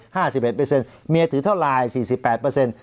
ห้าสิบเอ็ดเปอร์เซ็นต์เมียถือเท่าไรสี่สิบแปดเปอร์เซ็นต